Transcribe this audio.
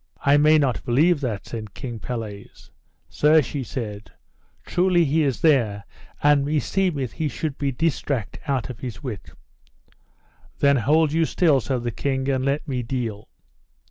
I may not believe that, said King Pelles. Sir, she said, truly he is there, and meseemeth he should be distract out of his wit. Then hold you still, said the king, and let me deal.